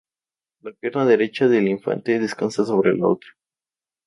La pierna derecha del infante descansa sobre la otra.